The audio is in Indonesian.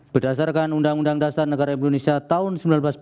berdasarkan undang undang dasar negara indonesia tahun sembilan belas